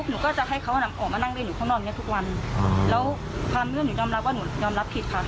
หนูก็จะให้เขาออกมานั่งเล่นอยู่ข้างนอกเนี้ยทุกวันแล้วความเรื่องหนูยอมรับว่าหนูยอมรับผิดค่ะ